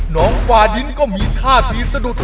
ฟาดินก็มีท่าทีสะดุด